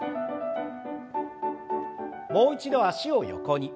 もう一度脚を横に。